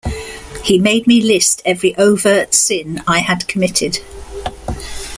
He made me list every overt sin I had committed.